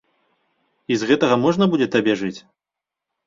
І з гэтага можна будзе табе жыць?